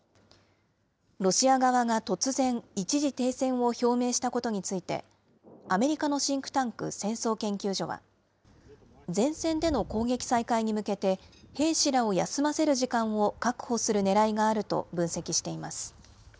ロシア側が突然、一時停戦を表明したことについて、アメリカのシンクタンク、戦争研究所は、前線での攻撃再開に向けて、兵士らを休ませる時間を確保するねらいがあると分析しています。